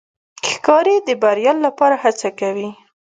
ښکاري د بریا لپاره هڅه کوي.